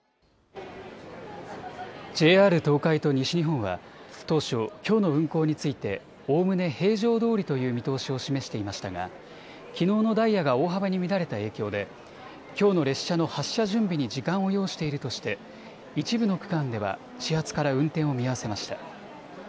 ＪＲ東海と西日本は当初、きょうの運行についておおむね平常どおりという見通しを示していましたが、きのうのダイヤが大幅に乱れた影響できょうの列車の発車準備に時間を要しているとして一部の区間では始発から運転を見合わせました。